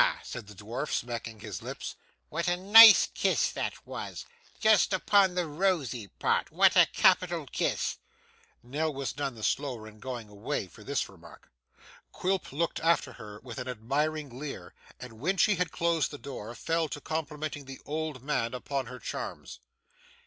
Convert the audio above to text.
said the dwarf, smacking his lips, 'what a nice kiss that was just upon the rosy part. What a capital kiss!' Nell was none the slower in going away, for this remark. Quilp looked after her with an admiring leer, and when she had closed the door, fell to complimenting the old man upon her charms.